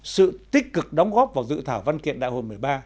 sự tích cực đóng góp vào dự thảo văn kiện đại hội một mươi ba